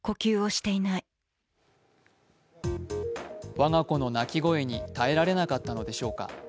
我が子の泣き声に耐えられなかったのでしょうか。